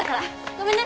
ごめんね。